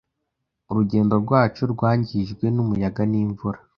Urugendo rwacu rwangijwe n'umuyaga n'imvura.